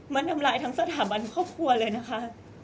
มันทำลายทั้งสถาบันครอบครัวเลยนะคะ